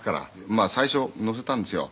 「まあ最初乗せたんですよ」